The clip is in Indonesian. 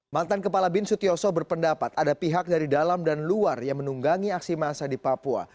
mantan kepala bin sutyoso berpendapat ada pihak dari dalam dan luar yang menunggangi aksi massa di papua